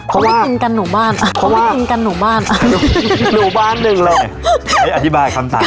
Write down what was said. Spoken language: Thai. เขาไม่กินกันหนูบ้านเขาไม่กินกันหนูบ้านหนูบ้านหนึ่งเลยเฮ้ยอธิบายคำต่าง